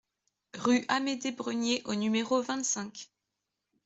Rue Amédée Brenier au numéro vingt-cinq